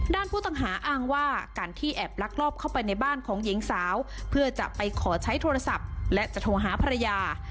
ด้านผู้ต้องหาอ้างว่าการที่แอบลักลอบเข้าไปในบ้านของหญิงสาวเพื่อจะไปขอใช้โทรศัพท์และจะโทรหาภรรยา